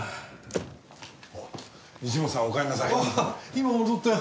今戻ったよ。